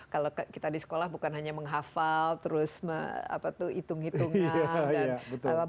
kalau kita di sekolah bukan hanya menghafal terus itung itungan